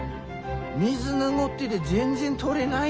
水濁ってで全然とれない